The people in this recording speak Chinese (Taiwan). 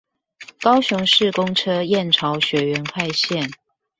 高雄市公車燕巢學園快線